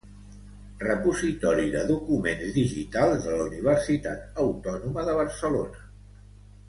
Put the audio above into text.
Repositori de Documents Digitals de la Universitat Autònoma de Barcelona.